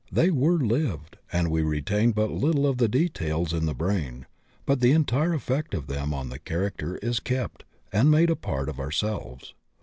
They were lived, and we retain but Uttle of the details in the brain, but the entire effect of them on the character is kept and made a part of ourselves.